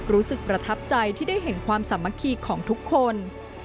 รู้สึกประทับใจที่ได้เห็นความสามัคคีของทุกคน